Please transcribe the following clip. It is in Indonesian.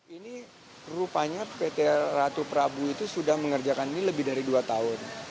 ini rupanya pt ratu prabu itu sudah mengerjakan ini lebih dari dua tahun